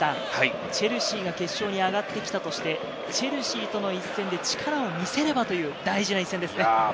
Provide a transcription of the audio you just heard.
チェルシーが決勝に上がってきたとして、チェルシーとの一戦で力を見せればという大事な一戦ですね。